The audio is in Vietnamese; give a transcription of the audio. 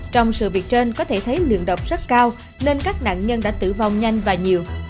trong sự việc trên có thể thấy lượng độc rất cao nên các nạn nhân đã tử vong nhanh và nhiều